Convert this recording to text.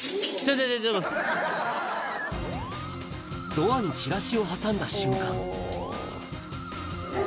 ドアにちらしを挟んだ瞬間